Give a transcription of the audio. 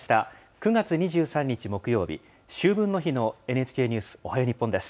９月２３日木曜日、秋分の日のＮＨＫニュースおはよう日本です。